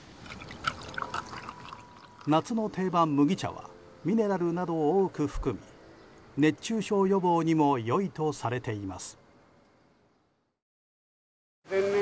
夏の定番、麦茶はミネラルなどを多く含み熱中症予防にも良いとされています。